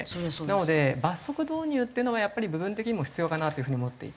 なので罰則導入っていうのがやっぱり部分的にも必要かなという風に思っていて。